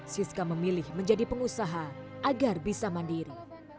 siska memilih menjadi pengusaha agar bisa mandiri